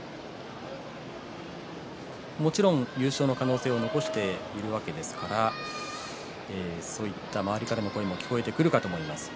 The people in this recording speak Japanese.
もちろん優勝の可能性を残しているわけですからそういった周りからの声も聞こえてくるかと思います。